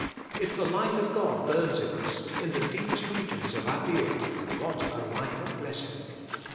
If the life of God burns in us, in the deepest regions of our being, what a life of blessing.